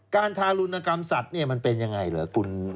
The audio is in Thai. ทารุณกรรมสัตว์เนี่ยมันเป็นยังไงเหรอคุณ